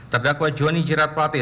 terdakwa jonny jerat pelate